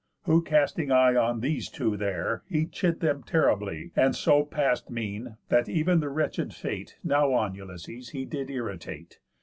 Who casting eye On these two there, he chid them terribly, And so past mean, that ev'n the wretched fate Now on Ulysses he did irritate.